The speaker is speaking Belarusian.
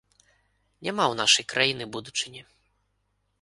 Няма ў нашай краіны будучыні.